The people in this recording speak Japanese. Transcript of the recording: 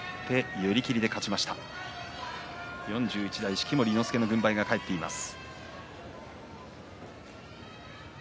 式守伊之助の軍配が返っています。